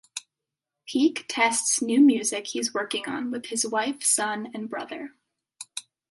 Peake tests new music he's working on with his wife, son, and brother.